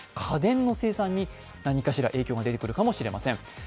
家電の生産に何かしら影響が出てくるかもしれません。